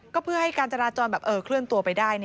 ก็เพื่อให้การจราจรแบบเคลื่อนตัวไปได้